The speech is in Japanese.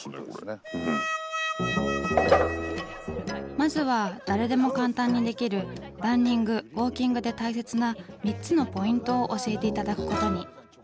まずは誰でも簡単にできるランニングウォーキングで大切な３つのポイントを教えて頂くことに。